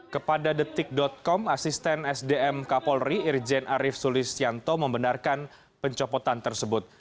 kepada detik com asisten sdm kapolri irjen arief sulistianto membenarkan pencopotan tersebut